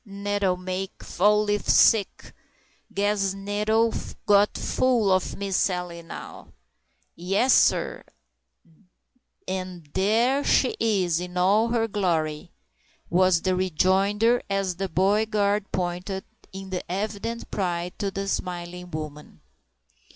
"Ugh! Nettle make Fall leaf sick! Guess Nettle got full of Miss Sally now!" "Yes, sar; and thar she is, in all her glory!" was the rejoinder, as the "body guard" pointed, in evident pride, to the smiling woman.